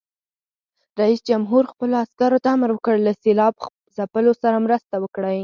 رئیس جمهور خپلو عسکرو ته امر وکړ؛ له سېلاب ځپلو سره مرسته وکړئ!